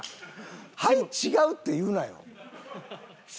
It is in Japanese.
「はい違う」って言うなよ。